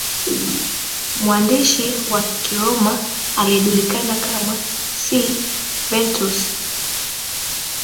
Mwandishi wa kiroma aliyejulikana kama Svetonius